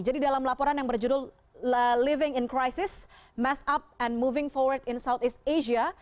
jadi dalam laporan yang berjudul living in crisis mass up and moving forward in southeast asia